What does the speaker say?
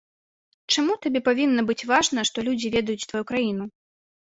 Чаму табе павінна быць важна, што людзі ведаюць тваю краіну?